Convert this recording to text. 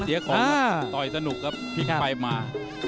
เสียของครับต่อยสนุกครับพลิกไปมา